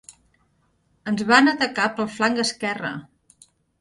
Ens van atacar pel flanc esquerre.